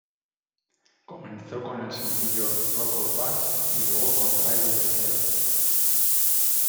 Comenzó con el sencillo Rock or Bust y luego con Highway to Hell.